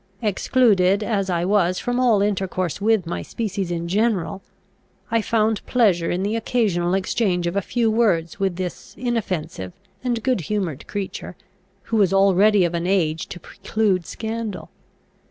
Excluded as I was from all intercourse with my species in general, I found pleasure in the occasional exchange of a few words with this inoffensive and good humoured creature, who was already of an age to preclude scandal.